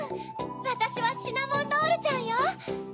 わたしはシナモンロールちゃんよ。